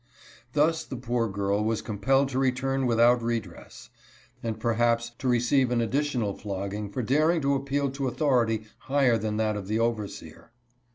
Thus the poor girl was compelled to return without redress, and perhaps to receive an additional flogging for daring to appeal to anthority higher than that of the overseer.